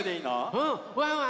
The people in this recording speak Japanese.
うんワンワン